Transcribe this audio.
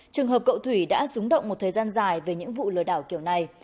trường hợp cậu thủy đã rúng động một thời gian dài về những vụ lừa đảo kiểu này